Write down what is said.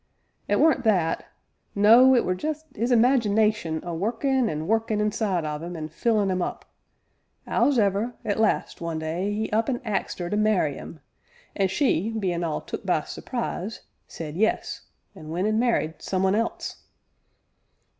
"It weren't that, no, it were jest 'is imagination a workin' an' workin' inside of 'im, an' fillin' 'im up. 'Ows'ever, at last, one day, 'e up an' axed 'er to marry 'im, an' she, bein' all took by surprise, said 'yes,' an' went an' married some'un else."